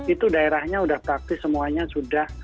itu daerahnya sudah praktis semuanya sudah